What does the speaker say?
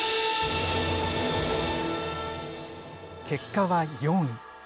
結果は４位。